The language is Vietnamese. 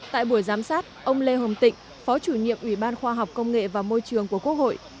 tại buổi giám sát ông lê hồng tịnh phó chủ nhiệm ủy ban khoa học công nghệ và môi trường của quốc hội